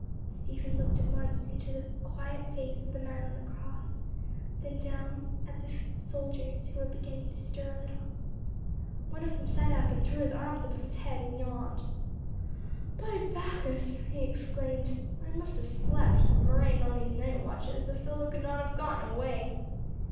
Stephen looked once into the quiet face of the man on the cross, then down at the soldiers, who were beginning to stir a little. One of them sat up and threw his arms above his head and yawned. "By Bacchus!" he exclaimed. "I must have slept, a murrain on these night watches, the fellow could not have gotten away."